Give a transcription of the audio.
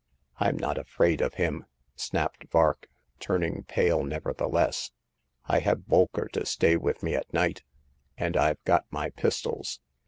" Fm not afraid of him !" snapped Vark, turn ing pale nevertheless. " I have Bolker to stay with me at night, and I've got my pistols.